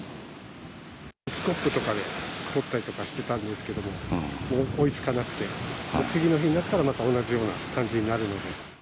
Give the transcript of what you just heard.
スコップとかで取ったりとかしてたんですけれども、もう、追いつかなくて、次の日になったらまた同じような感じになるので。